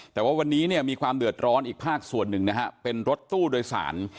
แต่ว่าวันนี้เนี่ยมีความเดือดร้อนอีกภาคส่วนหนึ่งนะฮะเป็นรถตู้โดยสาร